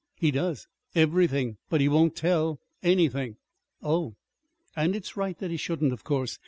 "He does everything. But he won't tell anything." "Oh!" "And it's right that he shouldn't, of course.